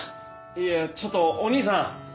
いやちょっとお義兄さん。